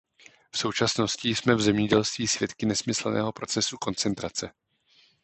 V současnosti jsme v zemědělství svědky nesmyslného procesu koncentrace.